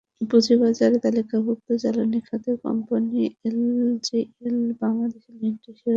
পুঁজিবাজারে তালিকাভুক্ত জ্বালানি খাতের কোম্পানি এমজেএল বাংলাদেশ লিমিটেড শেয়ারধারীদের জন্য লভ্যাংশ ঘোষণা করেছে।